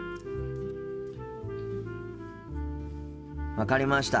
分かりました。